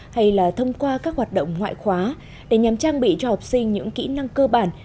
hay là thông qua các hoạt động ngoại khóa để nhằm trang bị cho học sinh những kỹ năng cơ bản